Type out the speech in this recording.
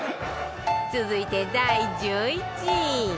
続いて第１１位